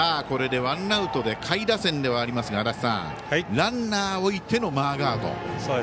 これでワンアウトで下位打線ではありますが足達さん、ランナーを置いてのマーガード。